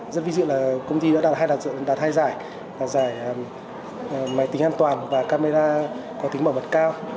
rất ví dụ là công ty đã đạt hai giải là giải máy tính an toàn và camera có tính bảo mật cao